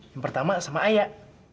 yang pertama sama ayah